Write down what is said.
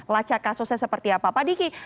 lacak kasusnya seperti apa